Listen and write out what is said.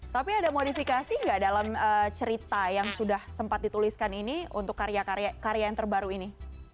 tapi ada modifikasi nggak dalam cerita yang sudah sempat dituliskan ini untuk karya karya yang terbaru ini